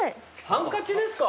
ハンカチですか。